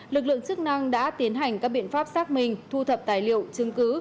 lực lượng chức năng đã tiến hành các biện pháp xác minh thu thập tài liệu chứng cứ